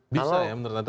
bisa ya menurut anda